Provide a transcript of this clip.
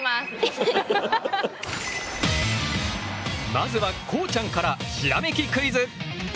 まずはこうちゃんからひらめきクイズ！